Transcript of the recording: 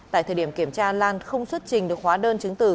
tại thời điểm kiểm tra lan không xuất trình được hóa đơn chứng từ